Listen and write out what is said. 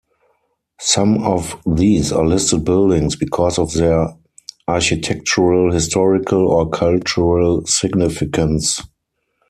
Some of these are listed buildings because of their architectural, historical and cultural significance.